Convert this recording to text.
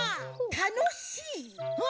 たのしい？